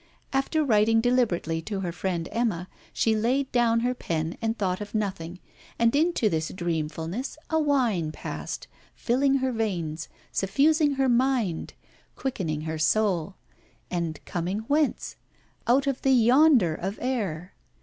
After writing deliberately to her friend Emma, she laid down her pen and thought of nothing; and into this dreamfulness a wine passed, filling her veins, suffusing her mind, quickening her soul: and coming whence? out of air, out of the yonder of air.